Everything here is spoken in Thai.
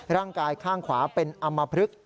ร่างกายข้างขวาเป็นอำมพลึก